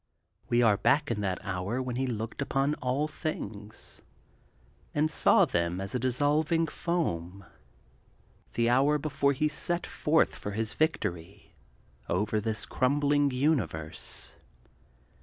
We are back in that hour when he looked upon all things, and saw them as a dissolving foam, the hour before he set forth for his victory over this crumbling universe.